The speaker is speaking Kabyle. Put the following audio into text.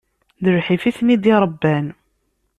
D lḥif i ten-i-d-irebban.